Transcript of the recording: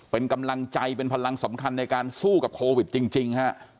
เป็นกำลังใจเป็นพลังสำคัญในการสู้กับโควิดจริงฮะ